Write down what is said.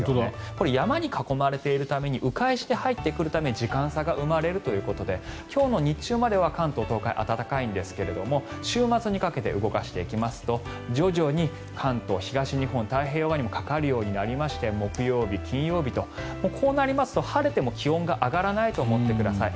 これ、山に囲まれているため迂回して入ってくるために時間差が生まれるということで今日の日中までは関東、東海、暖かいんですが週末にかけて動かしていきますと徐々に関東、東日本太平洋側にもかかるようになりまして木曜日、金曜日とこうなりますと晴れても気温が上がらないと思ってください。